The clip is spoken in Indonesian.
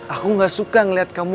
aku gak suka ngelihat kamu